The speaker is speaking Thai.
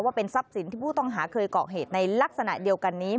ทรัพย์สินที่ผู้ต้องหาเคยเกาะเหตุในลักษณะเดียวกันนี้